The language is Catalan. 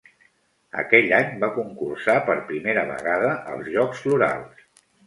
Aquell any va concursar per primera vegada als Jocs Florals.